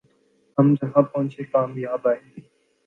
ہم جہاں پہنچے کامیاب آئے